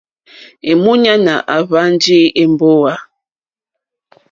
Èmúɲánà àhwánjì èmbówà.